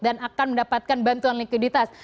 dan akan mendapatkan bantuan likuiditas